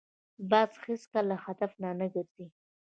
باز هېڅکله له هدفه نه ګرځي